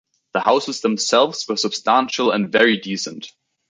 The houses themselves were substantial and very decent.